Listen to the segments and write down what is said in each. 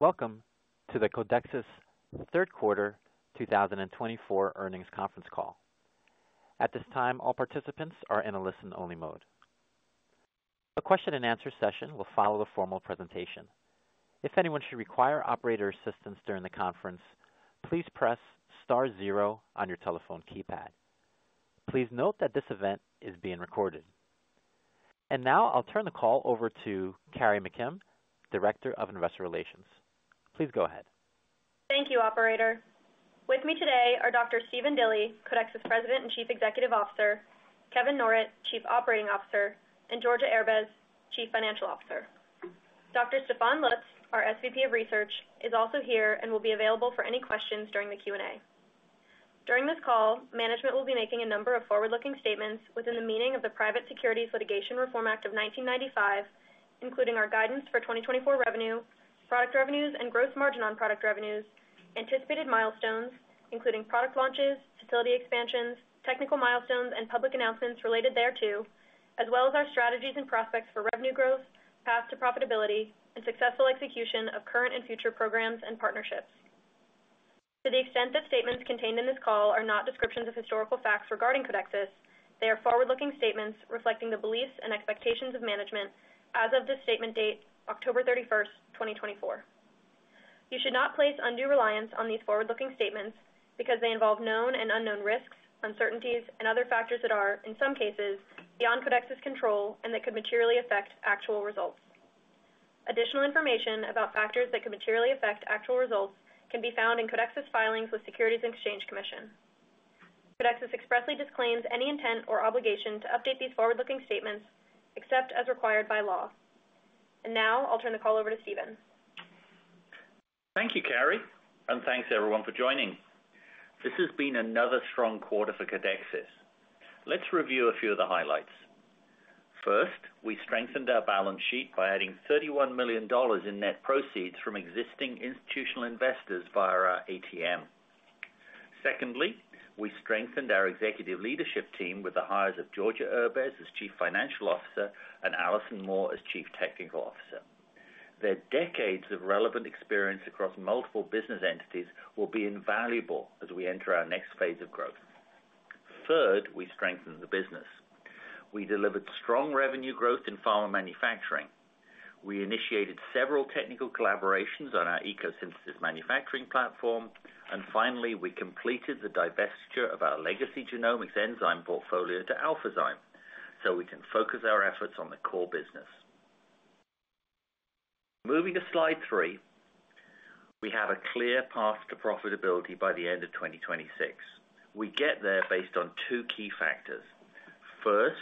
Welcome to the Codexis Third Quarter 2024 Earnings Conference Call. At this time, all participants are in a listen-only mode. The question-and-answer session will follow a formal presentation. If anyone should require operator assistance during the conference, please press star zero on your telephone keypad. Please note that this event is being recorded, and now I'll turn the call over to Carrie McKim, Director of Investor Relations. Please go ahead. Thank you, Operator. With me today are Dr. Stephen Dilly, Codexis President and Chief Executive Officer, Kevin Norrett, Chief Operating Officer, and Georgia Erbez, Chief Financial Officer. Dr. Stefan Lutz, our SVP of Research, is also here and will be available for any questions during the Q&A. During this call, management will be making a number of forward-looking statements within the meaning of the Private Securities Litigation Reform Act of 1995, including our guidance for 2024 revenue, product revenues, and gross margin on product revenues, anticipated milestones including product launches, facility expansions, technical milestones, and public announcements related thereto, as well as our strategies and prospects for revenue growth, path to profitability, and successful execution of current and future programs and partnerships. To the extent that statements contained in this call are not descriptions of historical facts regarding Codexis, they are forward-looking statements reflecting the beliefs and expectations of management as of this statement date, 31 October 2024. You should not place undue reliance on these forward-looking statements because they involve known and unknown risks, uncertainties, and other factors that are, in some cases, beyond Codexis' control and that could materially affect actual results. Additional information about factors that could materially affect actual results can be found in Codexis filings with Securities and Exchange Commission. Codexis expressly disclaims any intent or obligation to update these forward-looking statements except as required by law. And now I'll turn the call over to Stephen. Thank you, Carrie, and thanks everyone for joining. This has been another strong quarter for Codexis. Let's review a few of the highlights. First, we strengthened our balance sheet by adding $31 million in net proceeds from existing institutional investors via our ATM. Secondly, we strengthened our executive leadership team with the hires of Georgia Erbez as Chief Financial Officer and Alison Moore as Chief Technical Officer. Their decades of relevant experience across multiple business entities will be invaluable as we enter our next phase of growth. Third, we strengthened the business. We delivered strong revenue growth in pharma manufacturing. We initiated several technical collaborations on our ECO Synthesis manufacturing platform. And finally, we completed the divestiture of our legacy genomics enzyme portfolio to AlphaZyme so we can focus our efforts on the core business. Moving to slide three, we have a clear path to profitability by the end of 2026. We get there based on two key factors. First,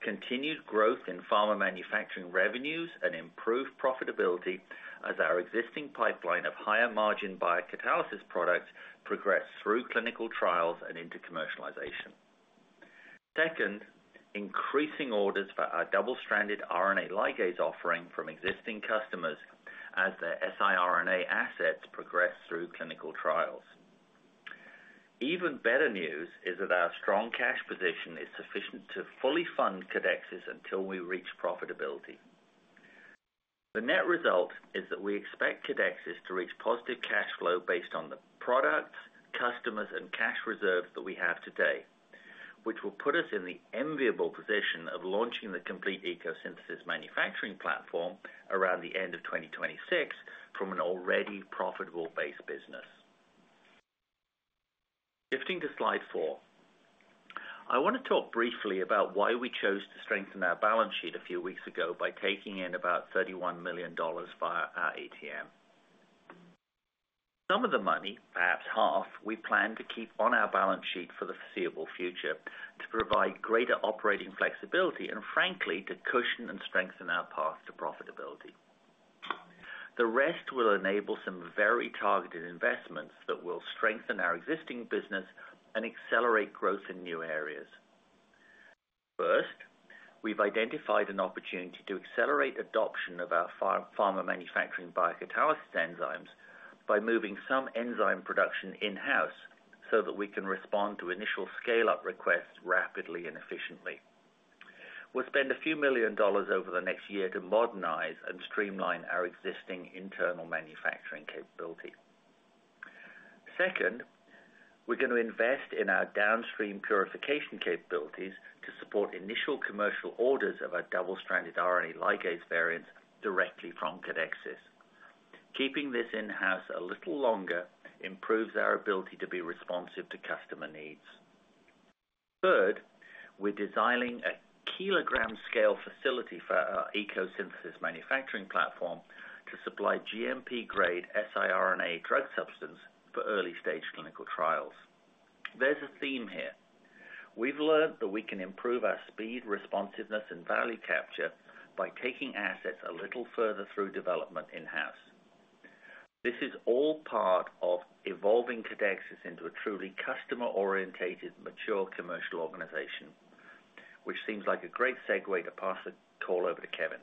continued growth in pharma manufacturing revenues and improved profitability as our existing pipeline of higher margin biocatalysis products progressed through clinical trials and into commercialization. Second, increasing orders for our double-stranded RNA ligase offering from existing customers as their siRNA assets progressed through clinical trials. Even better news is that our strong cash position is sufficient to fully fund Codexis until we reach profitability. The net result is that we expect Codexis to reach positive cash flow based on the products, customers, and cash reserves that we have today, which will put us in the enviable position of launching the complete ecosynthesis manufacturing platform around the end of 2026 from an already profitable base business. Shifting to slide four, I want to talk briefly about why we chose to strengthen our balance sheet a few weeks ago by taking in about $31 million via our ATM. Some of the money, perhaps half, we plan to keep on our balance sheet for the foreseeable future to provide greater operating flexibility and, frankly, to cushion and strengthen our path to profitability. The rest will enable some very targeted investments that will strengthen our existing business and accelerate growth in new areas. First, we've identified an opportunity to accelerate adoption of our pharma manufacturing biocatalysis enzymes by moving some enzyme production in-house so that we can respond to initial scale-up requests rapidly and efficiently. We'll spend a few million dollars over the next year to modernize and streamline our existing internal manufacturing capability. Second, we're going to invest in our downstream purification capabilities to support initial commercial orders of our double-stranded RNA ligase variants directly from Codexis. Keeping this in-house a little longer improves our ability to be responsive to customer needs. Third, we're designing a kilogram-scale facility for our ECO Synthesis manufacturing platform to supply GMP-grade siRNA drug substance for early-stage clinical trials. There's a theme here. We've learned that we can improve our speed, responsiveness, and value capture by taking assets a little further through development in-house. This is all part of evolving Codexis into a truly customer-oriented, mature commercial organization, which seems like a great segue to pass the call over to Kevin.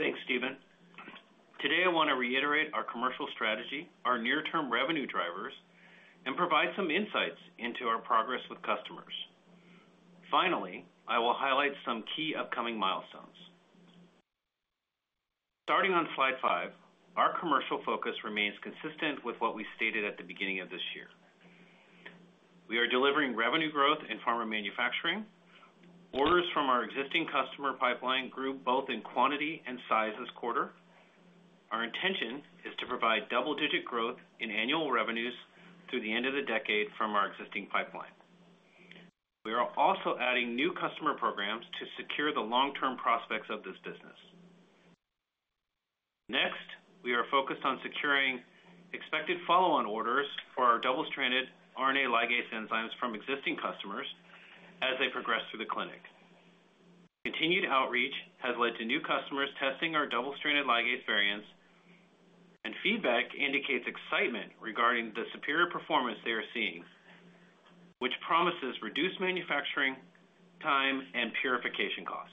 Thanks, Stephen. Today, I want to reiterate our commercial strategy, our near-term revenue drivers, and provide some insights into our progress with customers. Finally, I will highlight some key upcoming milestones. Starting on slide five, our commercial focus remains consistent with what we stated at the beginning of this year. We are delivering revenue growth in pharma manufacturing. Orders from our existing customer pipeline grew both in quantity and size this quarter. Our intention is to provide double-digit growth in annual revenues through the end of the decade from our existing pipeline. We are also adding new customer programs to secure the long-term prospects of this business. Next, we are focused on securing expected follow-on orders for our double-stranded RNA ligase enzymes from existing customers as they progress through the clinic. Continued outreach has led to new customers testing our double-stranded RNA ligase variants, and feedback indicates excitement regarding the superior performance they are seeing, which promises reduced manufacturing time and purification costs.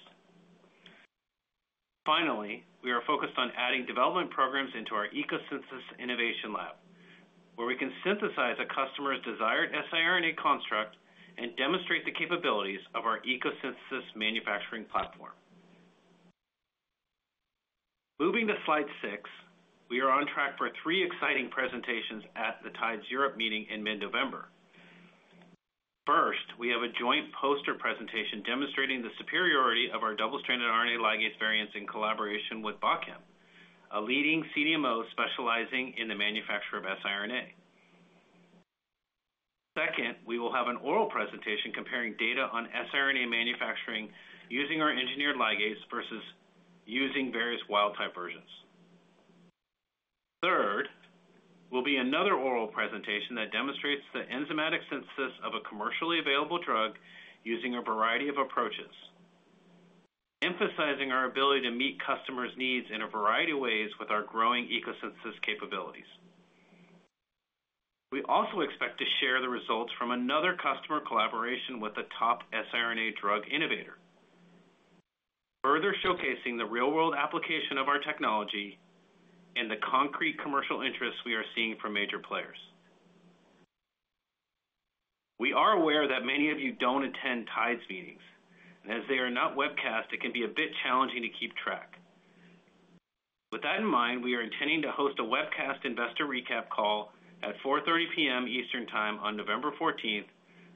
Finally, we are focused on adding development programs into our ECO Synthesis innovation lab, where we can synthesize a customer's desired siRNA construct and demonstrate the capabilities of our ECO Synthesis manufacturing platform. Moving to slide six, we are on track for three exciting presentations at the Tides Europe meeting in mid-November. First, we have a joint poster presentation demonstrating the superiority of our double-stranded RNA ligase variants in collaboration with Bachem, a leading CDMO specializing in the manufacture of siRNA. Second, we will have an oral presentation comparing data on siRNA manufacturing using our engineered ligase versus using various wild-type versions. Third, will be another oral presentation that demonstrates the enzymatic synthesis of a commercially available drug using a variety of approaches, emphasizing our ability to meet customers' needs in a variety of ways with our growing ECO Synthesis capabilities. We also expect to share the results from another customer collaboration with a top siRNA drug innovator, further showcasing the real-world application of our technology and the concrete commercial interests we are seeing from major players. We are aware that many of you don't attend Tides meetings, and as they are not webcast, it can be a bit challenging to keep track. With that in mind, we are intending to host a webcast investor recap call at 4:30PM Eastern Time on 14th November,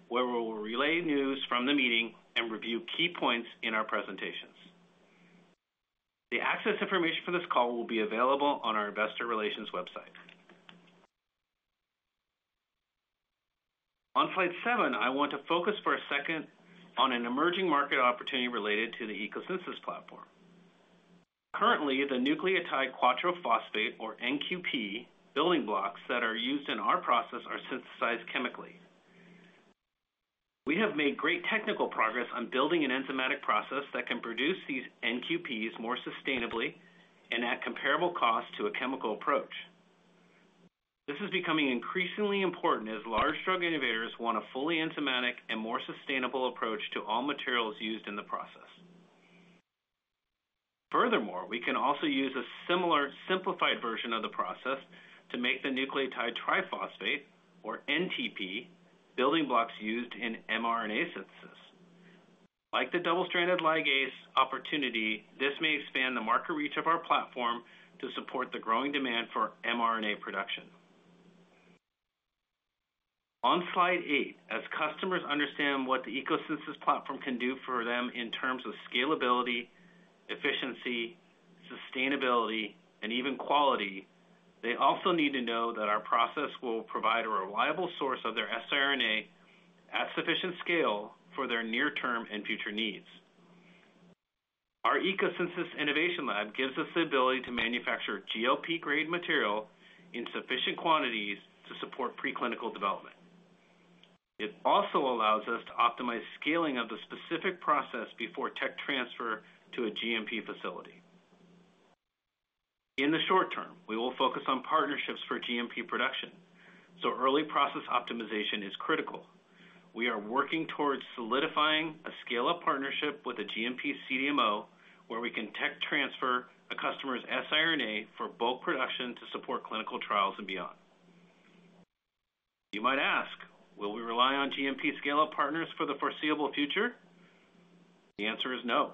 where we will relay news from the meeting and review key points in our presentations. The access information for this call will be available on our investor relations website. On slide seven, I want to focus for a second on an emerging market opportunity related to the ECO Synthesis platform. Currently, the nucleotide quadraphosphate, or NQP, building blocks that are used in our process are synthesized chemically. We have made great technical progress on building an enzymatic process that can produce these NQPs more sustainably and at comparable cost to a chemical approach. This is becoming increasingly important as large drug innovators want a fully enzymatic and more sustainable approach to all materials used in the process. Furthermore, we can also use a similar simplified version of the process to make the nucleotide triphosphate, or NTP, building blocks used in mRNA synthesis. Like the double-stranded RNA ligase opportunity, this may expand the market reach of our platform to support the growing demand for mRNA production. On slide eight, as customers understand what the ECO Synthesis platform can do for them in terms of scalability, efficiency, sustainability, and even quality, they also need to know that our process will provide a reliable source of their siRNA at sufficient scale for their near-term and future needs. Our ECO Synthesis innovation lab gives us the ability to manufacture GLP-grade material in sufficient quantities to support preclinical development. It also allows us to optimize scaling of the specific process before tech transfer to a GMP facility. In the short term, we will focus on partnerships for GMP production, so early process optimization is critical. We are working towards solidifying a scale-up partnership with a GMP CDMO where we can tech transfer a customer's siRNA for bulk production to support clinical trials and beyond. You might ask, will we rely on GMP scale-up partners for the foreseeable future? The answer is no.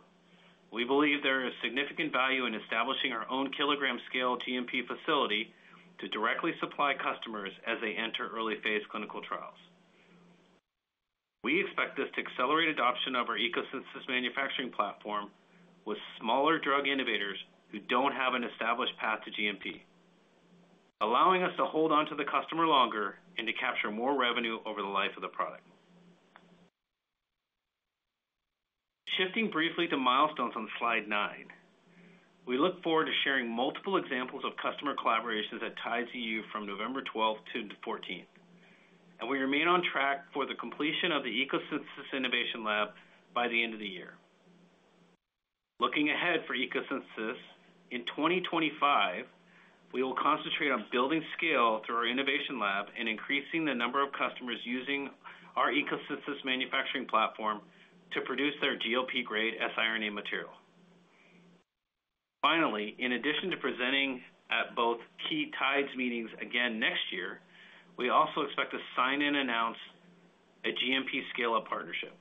We believe there is significant value in establishing our own kilogram-scale GMP facility to directly supply customers as they enter early-phase clinical trials. We expect this to accelerate adoption of our ECO Synthesis manufacturing platform with smaller drug innovators who don't have an established path to GMP, allowing us to hold onto the customer longer and to capture more revenue over the life of the product. Shifting briefly to milestones on slide nine, we look forward to sharing multiple examples of customer collaborations at Tides Europe from 12 to 14 November, and we remain on track for the completion of the ECO Synthesis innovation lab by the end of the year. Looking ahead for ECO Synthesis, in 2025, we will concentrate on building scale through our innovation lab and increasing the number of customers using our ECO Synthesis manufacturing platform to produce their GLP-grade siRNA material. Finally, in addition to presenting at both key Tides meetings again next year, we also expect to sign and announce a GMP scale-up partnership.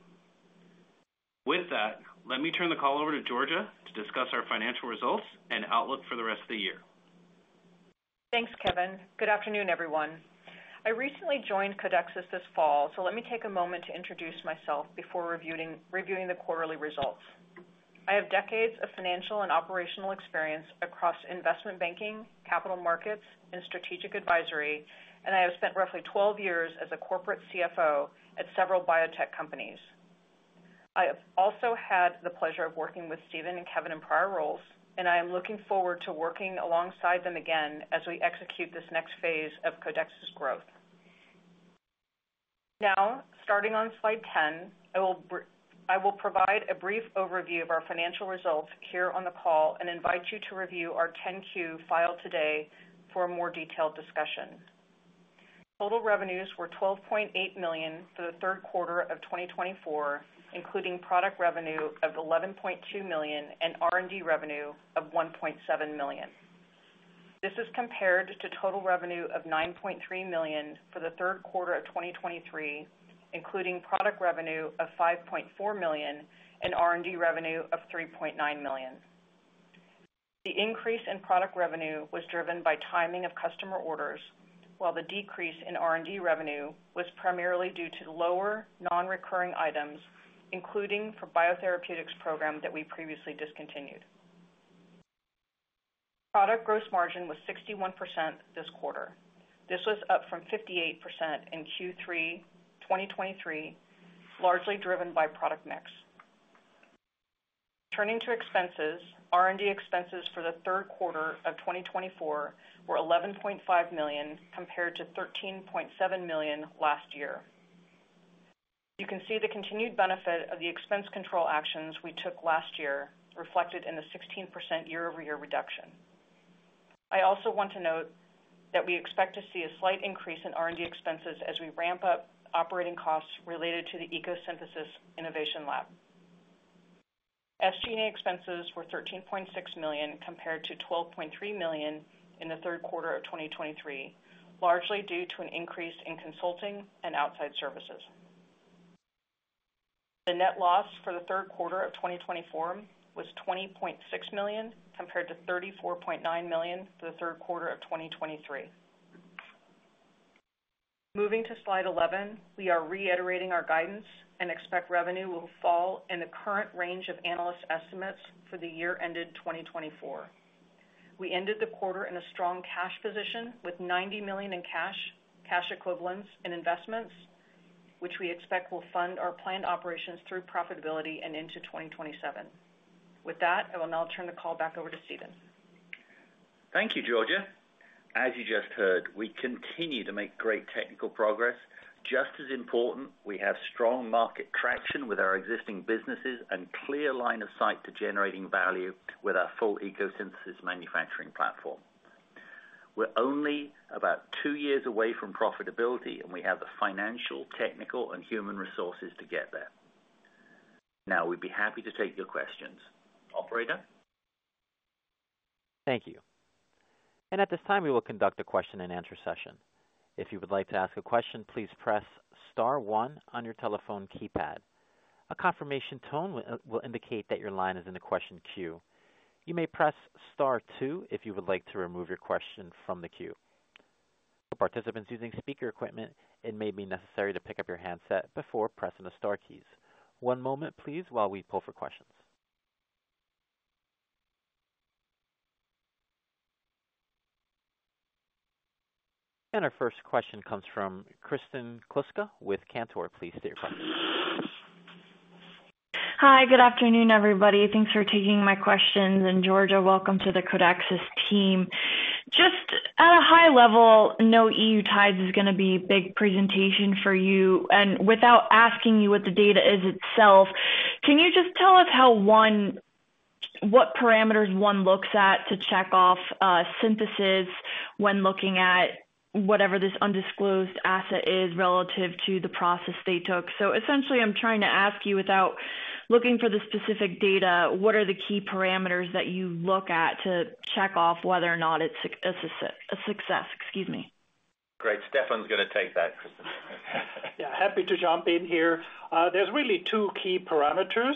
With that, let me turn the call over to Georgia to discuss our financial results and outlook for the rest of the year. Thanks, Kevin. Good afternoon, everyone. I recently joined Codexis this fall, so let me take a moment to introduce myself before reviewing the quarterly results. I have decades of financial and operational experience across investment banking, capital markets, and strategic advisory, and I have spent roughly 12 years as a corporate CFO at several biotech companies. I have also had the pleasure of working with Stephen and Kevin in prior roles, and I am looking forward to working alongside them again as we execute this next phase of Codexis growth. Now, starting on slide 10, I will provide a brief overview of our financial results here on the call and invite you to review our 10-Q filed today for a more detailed discussion. Total revenues were $12.8 million for Q3 of 2024, including product revenue of $11.2 million and R&D revenue of $1.7 million. This is compared to total revenue of $9.3 million for Q3 of 2023, including product revenue of $5.4 million and R&D revenue of $3.9 million. The increase in product revenue was driven by timing of customer orders, while the decrease in R&D revenue was primarily due to lower non-recurring items, including for the biotherapeutics program that we previously discontinued. Product gross margin was 61% this quarter. This was up from 58% in Q3 2023, largely driven by product mix. Turning to expenses, R&D expenses for Q3 of 2024 were $11.5 million compared to $13.7 million last year. You can see the continued benefit of the expense control actions we took last year reflected in the 16% year-over-year reduction. I also want to note that we expect to see a slight increase in R&D expenses as we ramp up operating costs related to the ecosynthesis innovation lab. SG&A expenses were $13.6 million compared to $12.3 million in Q3 of 2023, largely due to an increase in consulting and outside services. The net loss for Q3 of 2024 was $20.6 million compared to $34.9 million for Q3 of 2023. Moving to Slide 11, we are reiterating our guidance and expect revenue will fall in the current range of analyst estimates for the year ended 2024. We ended the quarter in a strong cash position with $90 million in cash, cash equivalents, and investments, which we expect will fund our planned operations through profitability and into 2027. With that, I will now turn the call back over to Stephen. Thank you, Georgia. As you just heard, we continue to make great technical progress. Just as important, we have strong market traction with our existing businesses and a clear line of sight to generating value with our full ECO Synthesis manufacturing platform. We're only about two years away from profitability, and we have the financial, technical, and human resources to get there. Now, we'd be happy to take your questions. Operator. Thank you, and at this time, we will conduct a question-and-answer session. If you would like to ask a question, please press Star 1 on your telephone keypad. A confirmation tone will indicate that your line is in the question queue. You may press Star two if you would like to remove your question from the queue. For participants using speaker equipment, it may be necessary to pick up your handset before pressing the Star keys. One moment, please, while we pull for questions, and our first question comes from Kristen Kluska with Cantor. Please state your question. Hi, good afternoon, everybody. Thanks for taking my questions. And Georgia, welcome to the Codexis team. Just at a high level, I know Tides Europe is going to be a big presentation for you. And without asking you what the data is itself, can you just tell us how one, what parameters one looks at to check off synthesis when looking at whatever this undisclosed asset is relative to the process they took? So essentially, I'm trying to ask you, without looking for the specific data, what are the key parameters that you look at to check off whether or not it's a success? Excuse me. Great. Stefan's going to take that, Kristen. Yeah, happy to jump in here. There's really two key parameters.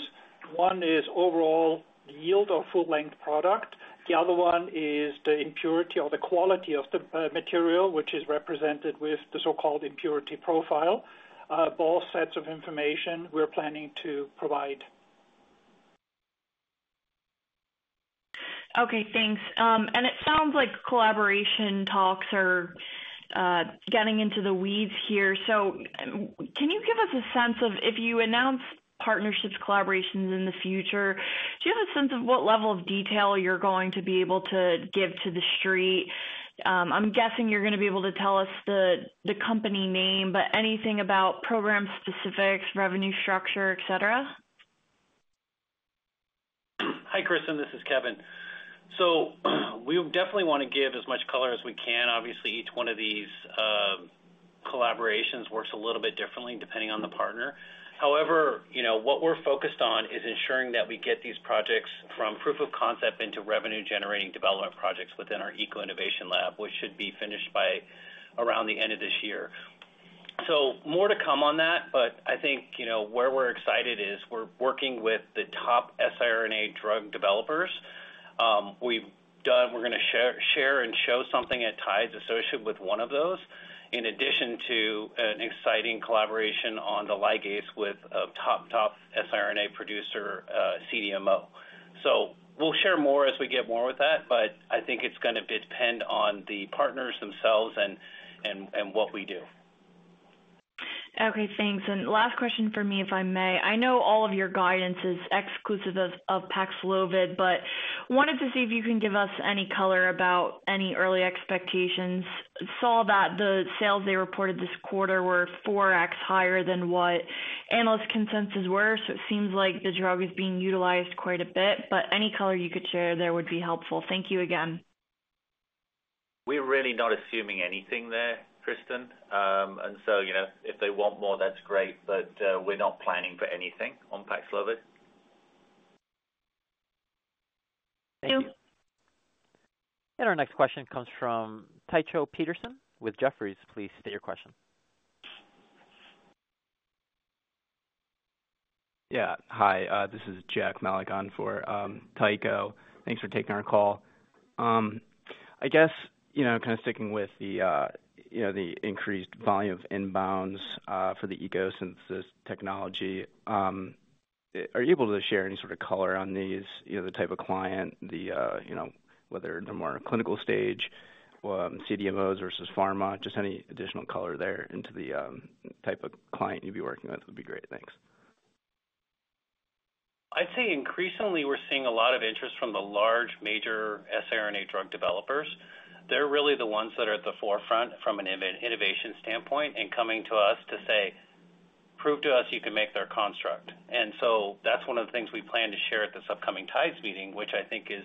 One is overall yield or full-length product. The other one is the impurity or the quality of the material, which is represented with the so-called impurity profile. Both sets of information we're planning to provide. Okay, thanks. And it sounds like collaboration talks are getting into the weeds here. So can you give us a sense of, if you announce partnerships, collaborations in the future, do you have a sense of what level of detail you're going to be able to give to the street? I'm guessing you're going to be able to tell us the company name, but anything about program specifics, revenue structure, etc.? Hi, Kristen. This is Kevin. So we definitely want to give as much color as we can. Obviously, each one of these collaborations works a little bit differently depending on the partner. However, what we're focused on is ensuring that we get these projects from proof of concept into revenue-generating development projects within our ECO Innovation Lab, which should be finished by around the end of this year. So more to come on that, but I think where we're excited is we're working with the top siRNA drug developers. We're going to share and show something at Tides associated with one of those, in addition to an exciting collaboration on the ligase with a top, top siRNA producer CDMO. So we'll share more as we get more with that, but I think it's going to depend on the partners themselves and what we do. Okay, thanks. And last question for me, if I may. I know all of your guidance is exclusive of PAXLOVID, but I wanted to see if you can give us any color about any early expectations. I saw that the sales they reported this quarter were 4x higher than what analyst consensus were, so it seems like the drug is being utilized quite a bit. But any color you could share there would be helpful. Thank you again. We're really not assuming anything there, Kristen, and so if they want more, that's great, but we're not planning for anything on PAXLOVID. Thank you. Our next question comes from Tycho Peterson with Jefferies. Please state your question. Yeah, hi. This is Jack Malagon for Tycho. Thanks for taking our call. I guess kind of sticking with the increased volume of inbounds for the ECO Synthesis technology, are you able to share any sort of color on these, the type of client, whether they're more clinical stage, CDMOs versus pharma? Just any additional color there into the type of client you'd be working with would be great. Thanks. I'd say increasingly we're seeing a lot of interest from the large major siRNA drug developers. They're really the ones that are at the forefront from an innovation standpoint and coming to us to say, "Prove to us you can make their construct." And so that's one of the things we plan to share at this upcoming Tides meeting, which I think is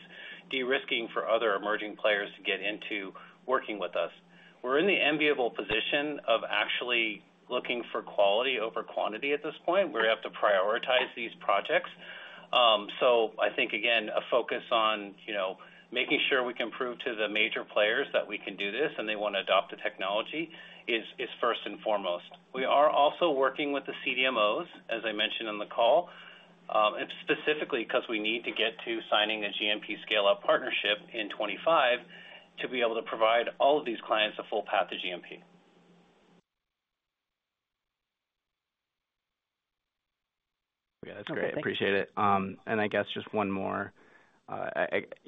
de-risking for other emerging players to get into working with us. We're in the enviable position of actually looking for quality over quantity at this point. We have to prioritize these projects. So I think, again, a focus on making sure we can prove to the major players that we can do this and they want to adopt the technology is first and foremost. We are also working with the CDMOs, as I mentioned on the call, specifically because we need to get to signing a GMP scale-up partnership in 2025 to be able to provide all of these clients a full path to GMP. Yeah, that's great. I appreciate it, and I guess just one more.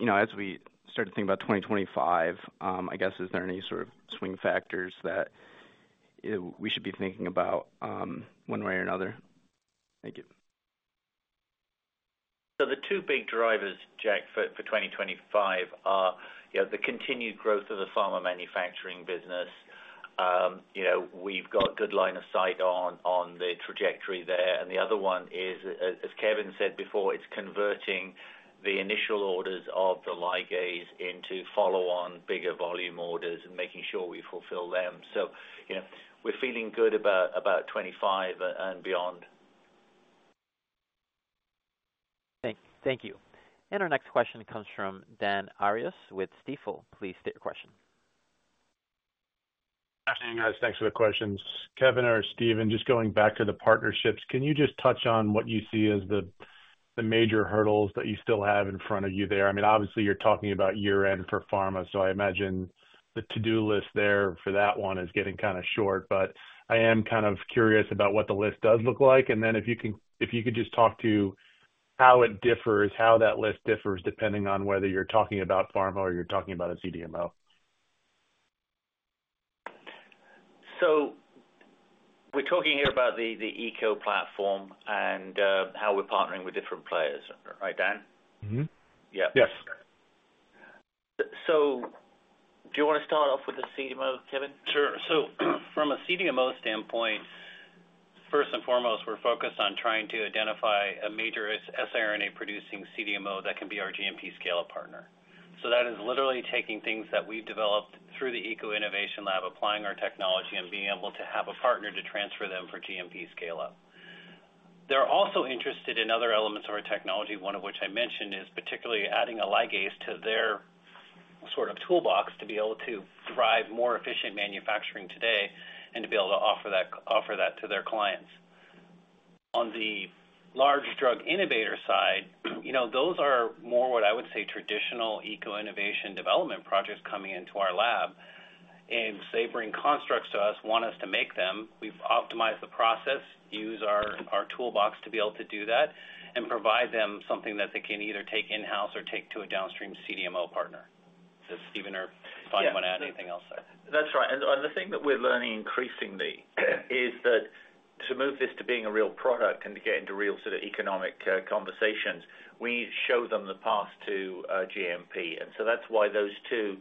As we start to think about 2025, I guess, is there any sort of swing factors that we should be thinking about one way or another? Thank you. So the two big drivers, Jack, for 2025 are the continued growth of the pharma manufacturing business. We've got a good line of sight on the trajectory there. And the other one is, as Kevin said before, it's converting the initial orders of the ligase into follow-on, bigger volume orders and making sure we fulfill them. So we're feeling good about '25 and beyond. Thank you. Our next question comes from Dan Arias with Stifel. Please state your question. Afternoon, guys. Thanks for the questions. Kevin or Stephen, just going back to the partnerships, can you just touch on what you see as the major hurdles that you still have in front of you there? I mean, obviously, you're talking about year-end for pharma, so I imagine the to-do list there for that one is getting kind of short. But I am kind of curious about what the list does look like, and then if you could just talk to how it differs, how that list differs depending on whether you're talking about pharma or you're talking about a CDMO. So we're talking here about the ECO platform and how we're partnering with different players. Right, Dan? Yeah. So do you want to start off with the CDMO, Kevin? Sure, so from a CDMO standpoint, first and foremost, we're focused on trying to identify a major siRNA-producing CDMO that can be our GMP scale-up partner, so that is literally taking things that we've developed through the eco-innovation lab, applying our technology, and being able to have a partner to transfer them for GMP scale-up. They're also interested in other elements of our technology, one of which I mentioned is particularly adding a ligase to their sort of toolbox to be able to drive more efficient manufacturing today and to be able to offer that to their clients. On the large drug innovator side, those are more what I would say traditional eco-innovation development projects coming into our lab, and they bring constructs to us, want us to make them. We've optimized the process, used our toolbox to be able to do that, and provide them something that they can either take in-house or take to a downstream CDMO partner. Does Stephen or Brian want to add anything else there? That's right. And the thing that we're learning increasingly is that to move this to being a real product and to get into real sort of economic conversations, we need to show them the path to GMP. And so that's why those two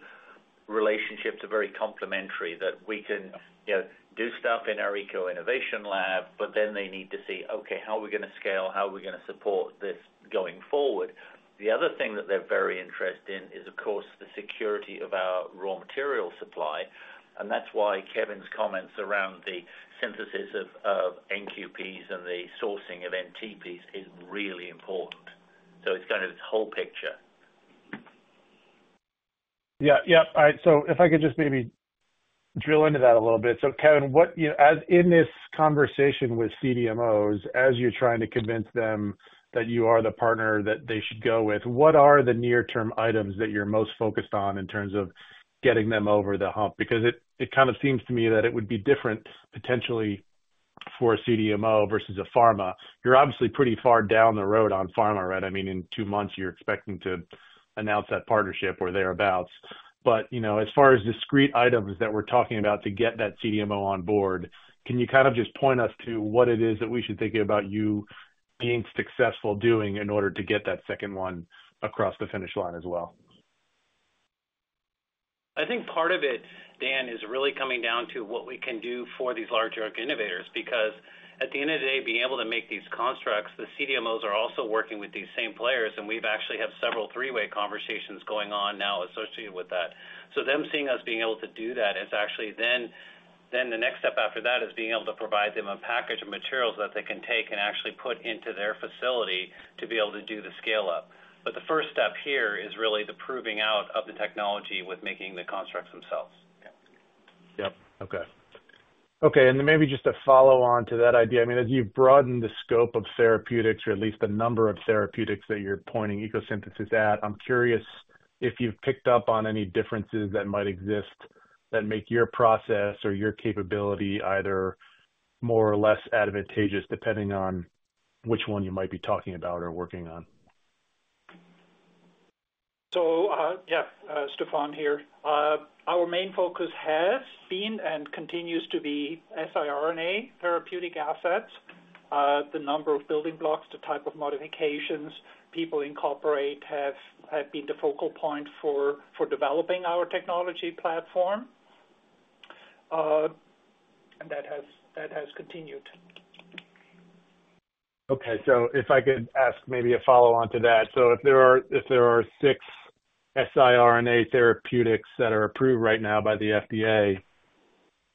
relationships are very complementary, that we can do stuff in our eco-innovation lab, but then they need to see, "Okay, how are we going to scale? How are we going to support this going forward?" The other thing that they're very interested in is, of course, the security of our raw material supply. And that's why Kevin's comments around the synthesis of NQPs and the sourcing of NTPs is really important. So it's kind of the whole picture. Yeah. Yep. All right. So if I could just maybe drill into that a little bit. So Kevin, as in this conversation with CDMOs, as you're trying to convince them that you are the partner that they should go with, what are the near-term items that you're most focused on in terms of getting them over the hump? Because it kind of seems to me that it would be different potentially for a CDMO versus a pharma. You're obviously pretty far down the road on pharma, right? I mean, in two months, you're expecting to announce that partnership or thereabouts. But as far as discrete items that we're talking about to get that CDMO on board, can you kind of just point us to what it is that we should think about you being successful doing in order to get that second one across the finish line as well? I think part of it, Dan, is really coming down to what we can do for these large drug innovators. Because at the end of the day, being able to make these constructs, the CDMOs are also working with these same players. And we actually have several three-way conversations going on now associated with that. So them seeing us being able to do that is actually then the next step after that is being able to provide them a package of materials that they can take and actually put into their facility to be able to do the scale-up. But the first step here is really the proving out of the technology with making the constructs themselves. Yep. Okay. And then maybe just a follow-on to that idea. I mean, as you've broadened the scope of therapeutics or at least the number of therapeutics that you're pointing ECO Synthesis at, I'm curious if you've picked up on any differences that might exist that make your process or your capability either more or less advantageous, depending on which one you might be talking about or working on. Yeah, Stephan here. Our main focus has been and continues to be siRNA therapeutic assets. The number of building blocks, the type of modifications people incorporate have been the focal point for developing our technology platform. That has continued. Okay. So if I could ask maybe a follow-on to that. So if there are six siRNA therapeutics that are approved right now by the FDA,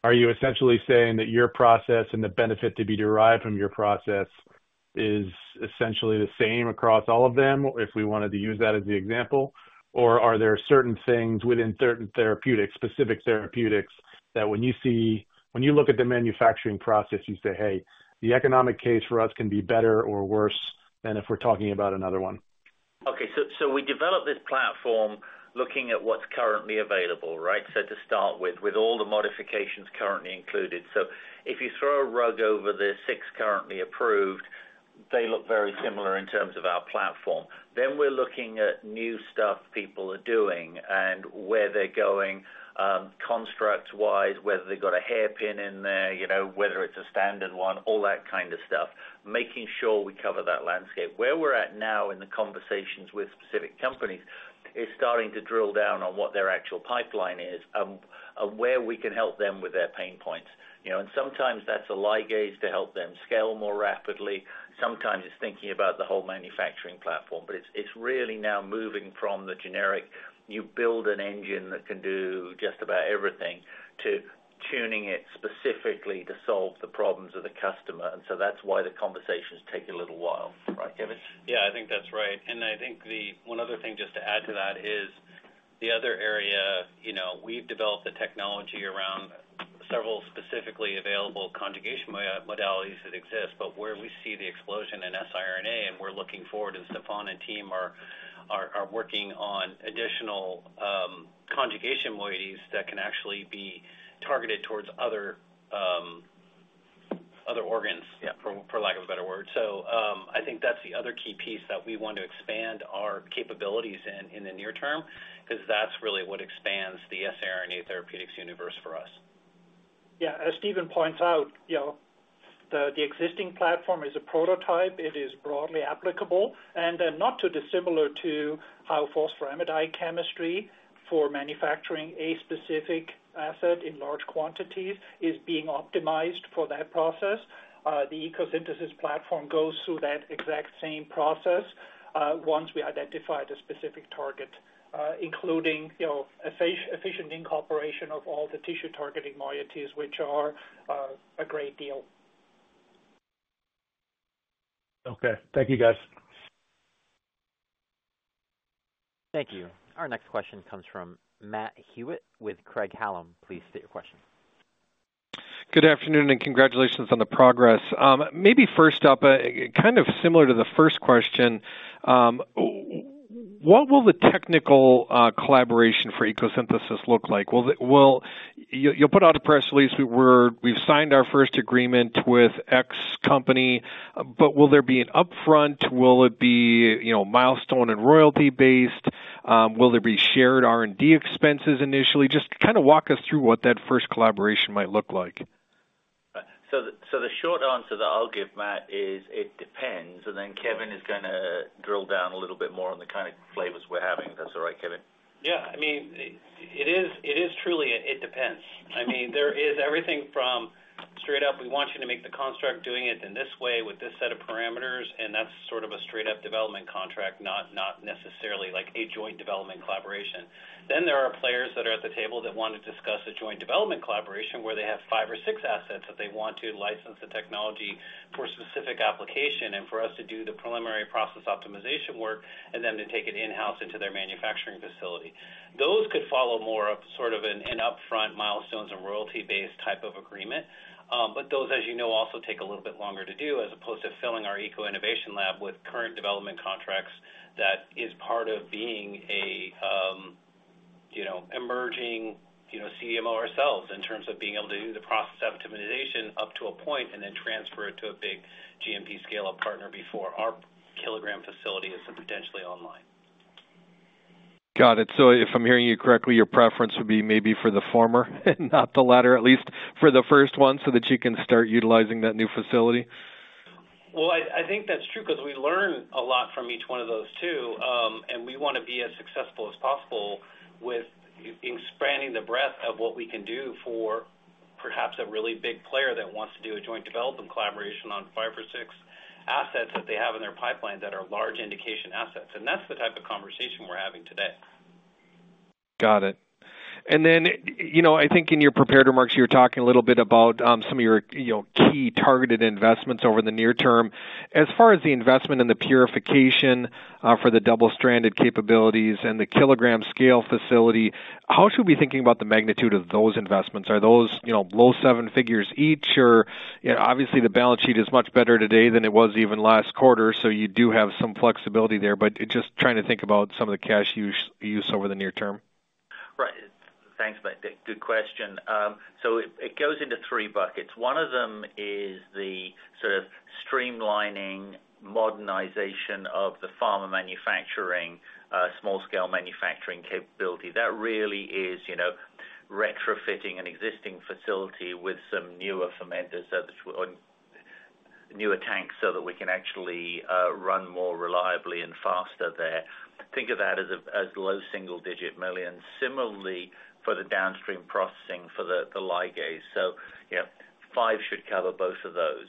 are you essentially saying that your process and the benefit to be derived from your process is essentially the same across all of them if we wanted to use that as the example? Or are there certain things within certain therapeutics, specific therapeutics, that when you look at the manufacturing process, you say, "Hey, the economic case for us can be better or worse than if we're talking about another one"? Okay. So we developed this platform looking at what's currently available, right? So to start with, with all the modifications currently included. So if you group the six currently approved, they look very similar in terms of our platform. Then we're looking at new stuff people are doing and where they're going constructs-wise, whether they've got a hairpin in there, whether it's a standard one, all that kind of stuff, making sure we cover that landscape. Where we're at now in the conversations with specific companies is starting to drill down on what their actual pipeline is and where we can help them with their pain points. And sometimes that's a ligase to help them scale more rapidly. Sometimes it's thinking about the whole manufacturing platform. But it's really now moving from the generic, "You build an engine that can do just about everything," to tuning it specifically to solve the problems of the customer. And so that's why the conversations take a little while. Right, Kevin? Yeah, I think that's right, and I think one other thing just to add to that is the other area. We've developed the technology around several specifically available conjugation modalities that exist, but where we see the explosion in siRNA, and we're looking forward, and Stefan and team are working on additional conjugation modalities that can actually be targeted towards other organs, for lack of a better word, so I think that's the other key piece that we want to expand our capabilities in in the near term because that's really what expands the siRNA therapeutics universe for us. Yeah. As Stephen points out, the existing platform is a prototype. It is broadly applicable and not too dissimilar to how phosphoramidite chemistry for manufacturing a specific asset in large quantities is being optimized for that process. The ECO Synthesis platform goes through that exact same process once we identify the specific target, including efficient incorporation of all the tissue-targeting modalities, which are a great deal. Okay. Thank you, guys. Thank you. Our next question comes from Matt Hewitt with Craig-Hallum. Please state your question. Good afternoon and congratulations on the progress. Maybe first up, kind of similar to the first question, what will the technical collaboration for ECO Synthesis look like? You'll put out a press release, "We've signed our first agreement with X company," but will there be an upfront? Will it be milestone and royalty-based? Will there be shared R&D expenses initially? Just kind of walk us through what that first collaboration might look like. So the short answer that I'll give, Matt, is it depends. And then Kevin is going to drill down a little bit more on the kind of flavors we're having. If that's all right, Kevin? Yeah. I mean, it is truly a it depends. I mean, there is everything from straight up, "We want you to make the construct, doing it in this way with this set of parameters." And that's sort of a straight-up development contract, not necessarily a joint development collaboration. Then there are players that are at the table that want to discuss a joint development collaboration where they have five or six assets that they want to license the technology for specific application and for us to do the preliminary process optimization work and then to take it in-house into their manufacturing facility. Those could follow more of sort of an upfront milestones and royalty-based type of agreement. But those, as you know, also take a little bit longer to do as opposed to filling our eco-innovation lab with current development contracts that is part of being an emerging CDMO ourselves in terms of being able to do the process optimization up to a point and then transfer it to a big GMP scale-up partner before our kilogram facility is potentially online. Got it. So if I'm hearing you correctly, your preference would be maybe for the former and not the latter, at least for the first one so that you can start utilizing that new facility? I think that's true because we learn a lot from each one of those two. We want to be as successful as possible with expanding the breadth of what we can do for perhaps a really big player that wants to do a joint development collaboration on five or six assets that they have in their pipeline that are large indication assets. That's the type of conversation we're having today. Got it. And then I think in your prepared remarks, you were talking a little bit about some of your key targeted investments over the near term. As far as the investment in the purification for the double-stranded capabilities and the kilogram scale facility, how should we be thinking about the magnitude of those investments? Are those low seven figures each? Or obviously, the balance sheet is much better today than it was even last quarter, so you do have some flexibility there. But just trying to think about some of the cash use over the near term. Right. Thanks, Matt. Good question. So it goes into three buckets. One of them is the sort of streamlining modernization of the pharma manufacturing, small-scale manufacturing capability. That really is retrofitting an existing facility with some newer fermenters or newer tanks so that we can actually run more reliably and faster there. Think of that as low single-digit millions. Similarly, for the downstream processing for the ligase. So $5 million should cover both of those.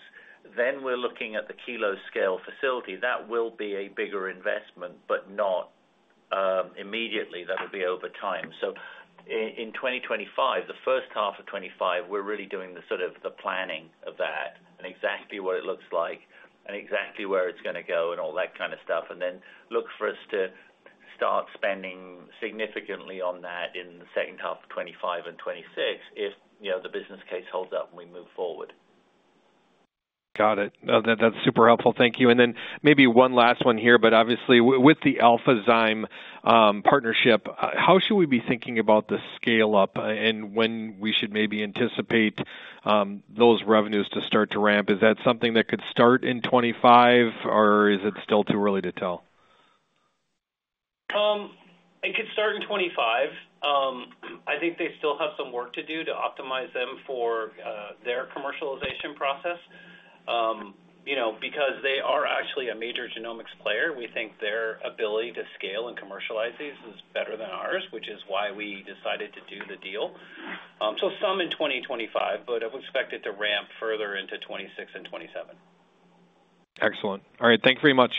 Then we're looking at the kilo-scale facility. That will be a bigger investment, but not immediately. That will be over time. So in 2025, the first half of 2025, we're really doing the sort of planning of that and exactly what it looks like and exactly where it's going to go and all that kind of stuff. And then look for us to start spending significantly on that in the second half of 2025 and 2026 if the business case holds up and we move forward. Got it. That's super helpful. Thank you. And then maybe one last one here, but obviously, with the AlphaZyme partnership, how should we be thinking about the scale-up and when we should maybe anticipate those revenues to start to ramp? Is that something that could start in 2025, or is it still too early to tell? It could start in 2025. I think they still have some work to do to optimize them for their commercialization process. Because they are actually a major genomics player, we think their ability to scale and commercialize these is better than ours, which is why we decided to do the deal. So some in 2025, but I would expect it to ramp further into 2026 and 2027. Excellent. All right. Thank you very much.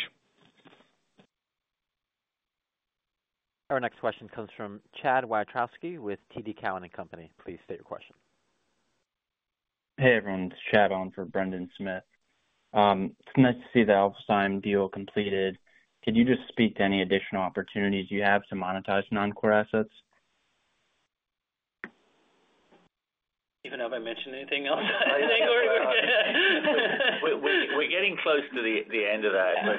Our next question comes from Chad Wiatrowski with TD Cowen & Company. Please state your question. Hey, everyone. This is Chad on for Brendan Smith. It's nice to see the AlphaZyme deal completed. Could you just speak to any additional opportunities you have to monetize non-core assets? Stephen, have I mentioned anything else? We're getting close to the end of that. But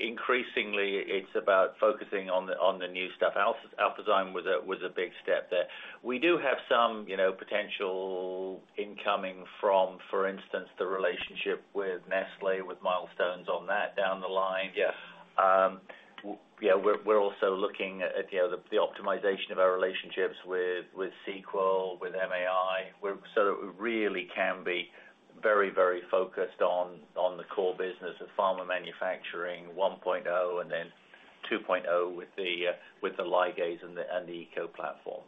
increasingly, it's about focusing on the new stuff. AlphaZyme was a big step there. We do have some potential incoming from, for instance, the relationship with Nestlé, with milestones on that down the line. Yeah. We're also looking at the optimization of our relationships with Seqens, with MAI. So we really can be very, very focused on the core business of pharma manufacturing 1.0 and then 2.0 with the ligase and the eco platform.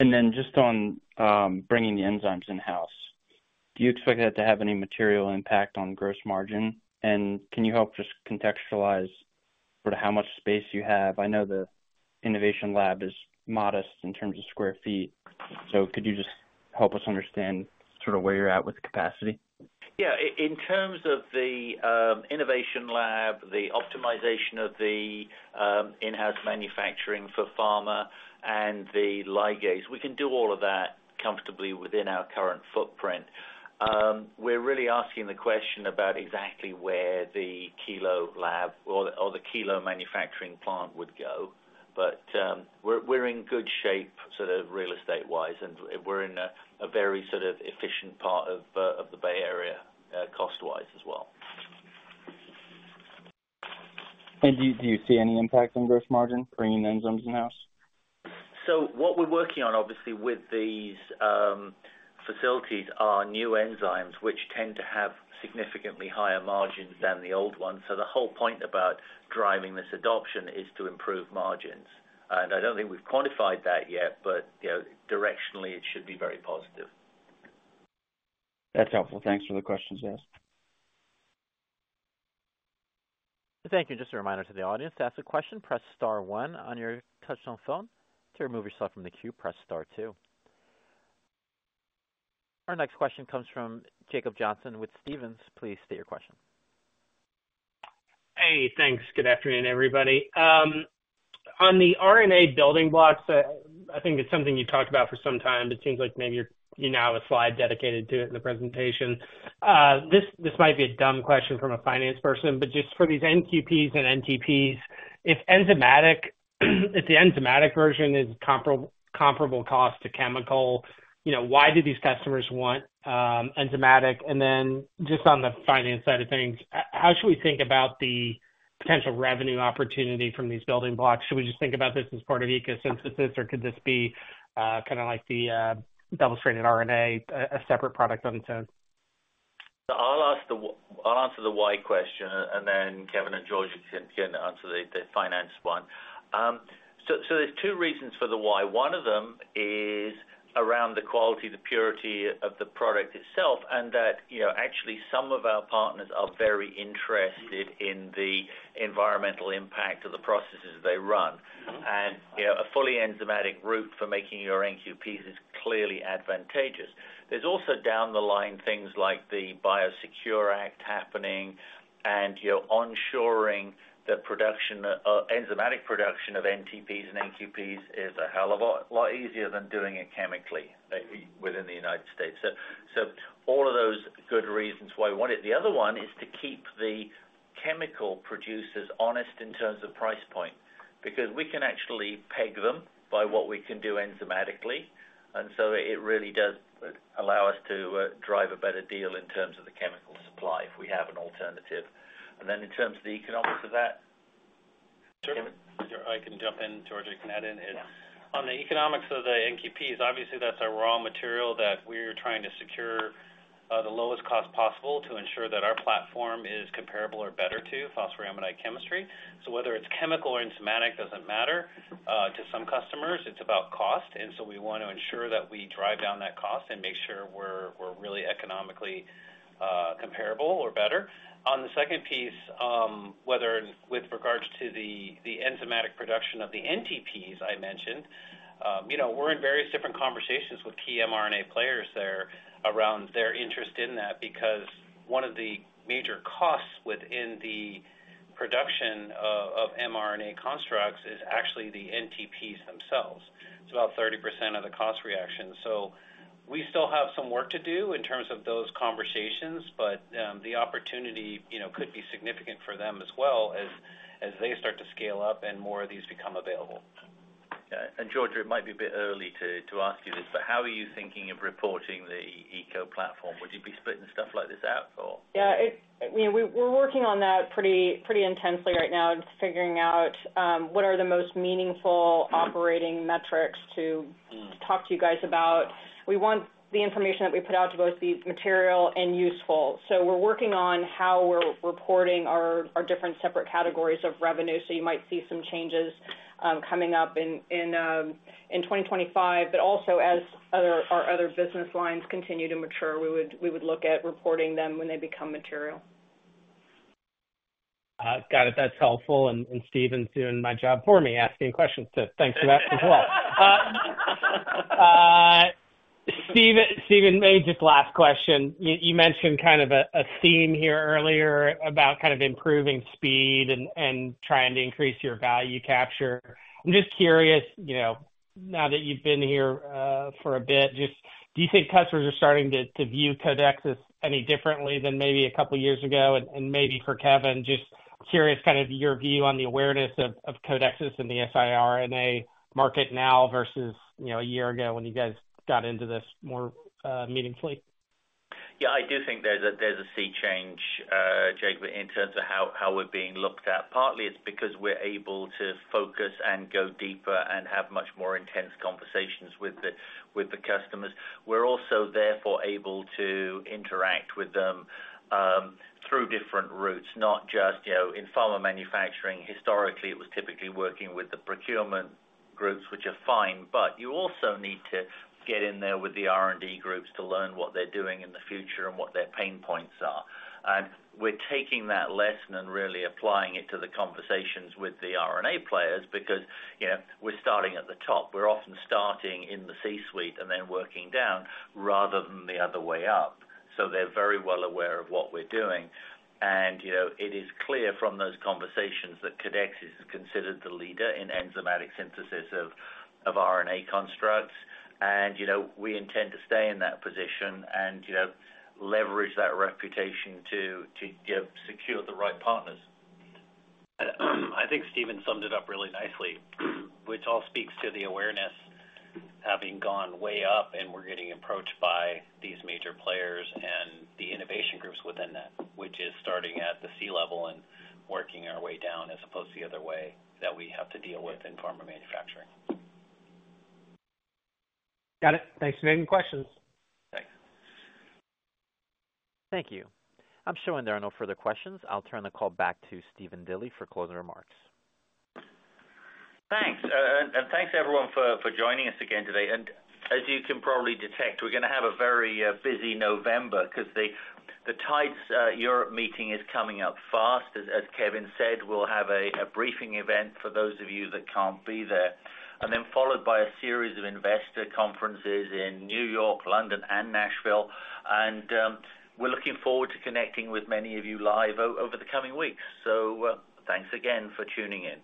And then just on bringing the enzymes in-house, do you expect that to have any material impact on gross margin? And can you help just contextualize sort of how much space you have? I know the innovation lab is modest in terms of square feet. So could you just help us understand sort of where you're at with capacity? Yeah. In terms of the innovation lab, the optimization of the in-house manufacturing for pharma and the ligase, we can do all of that comfortably within our current footprint. We're really asking the question about exactly where the kilo lab or the kilo manufacturing plant would go, but we're in good shape sort of real estate-wise, and we're in a very sort of efficient part of the Bay Area cost-wise as well. Do you see any impact on gross margin bringing enzymes in-house? So what we're working on, obviously, with these facilities are new enzymes, which tend to have significantly higher margins than the old ones. So the whole point about driving this adoption is to improve margins. And I don't think we've quantified that yet, but directionally, it should be very positive. That's helpful. Thanks for the questions, guys. Thank you. And just a reminder to the audience, to ask a question, press star one on your touch-tone phone. To remove yourself from the queue, press star two. Our next question comes from Jacob Johnson with Stephens. Please state your question. Hey, thanks. Good afternoon, everybody. On the RNA building blocks, I think it's something you've talked about for some time. It seems like maybe you now have a slide dedicated to it in the presentation. This might be a dumb question from a finance person, but just for these NQPs and NTPs, if the enzymatic version is comparable cost to chemical, why do these customers want enzymatic? And then just on the finance side of things, how should we think about the potential revenue opportunity from these building blocks? Should we just think about this as part of ecosynthesis, or could this be kind of like the double-stranded RNA, a separate product on its own? I'll answer the why question, and then Kevin and Georgia can answer the finance one. So there's two reasons for the why. One of them is around the quality, the purity of the product itself, and that actually some of our partners are very interested in the environmental impact of the processes they run. And a fully enzymatic route for making your NQPs is clearly advantageous. There's also down the line things like the Biosecure Act happening and onshoring the enzymatic production of NTPs and NQPs is a hell of a lot easier than doing it chemically within the United States. So all of those good reasons why we want it. The other one is to keep the chemical producers honest in terms of price point because we can actually peg them by what we can do enzymatically. And so it really does allow us to drive a better deal in terms of the chemical supply if we have an alternative. And then in terms of the economics of that. Sure. I can jump in. Georgia can add in. On the economics of the NQPs, obviously, that's our raw material that we're trying to secure the lowest cost possible to ensure that our platform is comparable or better to phosphoramidite chemistry. So whether it's chemical or enzymatic doesn't matter to some customers. It's about cost. And so we want to ensure that we drive down that cost and make sure we're really economically comparable or better. On the second piece, with regards to the enzymatic production of the NTPs I mentioned, we're in various different conversations with key mRNA players there around their interest in that because one of the major costs within the production of mRNA constructs is actually the NTPs themselves. It's about 30% of the cost reaction. So we still have some work to do in terms of those conversations, but the opportunity could be significant for them as well as they start to scale up and more of these become available. Okay, and Georgia, it might be a bit early to ask you this, but how are you thinking of reporting the ECO platform? Would you be splitting stuff like this out, or? Yeah. We're working on that pretty intensely right now and figuring out what are the most meaningful operating metrics to talk to you guys about. We want the information that we put out to both be material and useful. So we're working on how we're reporting our different separate categories of revenue. So you might see some changes coming up in 2025. But also, as our other business lines continue to mature, we would look at reporting them when they become material. Got it. That's helpful. And Stephen's doing my job for me asking questions, so thanks for that as well. Stephen, maybe just last question. You mentioned kind of a theme here earlier about kind of improving speed and trying to increase your value capture. I'm just curious, now that you've been here for a bit, just do you think customers are starting to view Codexis any differently than maybe a couple of years ago? And maybe for Kevin, just curious kind of your view on the awareness of Codexis and the siRNA market now versus a year ago when you guys got into this more meaningfully. Yeah. I do think there's a sea change, Jacob, in terms of how we're being looked at. Partly, it's because we're able to focus and go deeper and have much more intense conversations with the customers. We're also therefore able to interact with them through different routes, not just in pharma manufacturing. Historically, it was typically working with the procurement groups, which are fine. But you also need to get in there with the R&D groups to learn what they're doing in the future and what their pain points are. And we're taking that lesson and really applying it to the conversations with the R&D players because we're starting at the top. We're often starting in the C-suite and then working down rather than the other way up. So they're very well aware of what we're doing. It is clear from those conversations that Codexis is considered the leader in enzymatic synthesis of RNA constructs. We intend to stay in that position and leverage that reputation to secure the right partners. I think Stephen summed it up really nicely, which all speaks to the awareness having gone way up, and we're getting approached by these major players and the innovation groups within that, which is starting at the C-level and working our way down as opposed to the other way that we have to deal with in pharma manufacturing. Got it. Thanks. Any questions? Thanks. Thank you. I'm showing there are no further questions. I'll turn the call back to Stephen Dilly for closing remarks. Thanks, and thanks, everyone, for joining us again today, and as you can probably detect, we're going to have a very busy November because the Tides Europe meeting is coming up fast. As Kevin said, we'll have a briefing event for those of you that can't be there, and then followed by a series of investor conferences in New York, London, and Nashville, and we're looking forward to connecting with many of you live over the coming weeks, so thanks again for tuning in.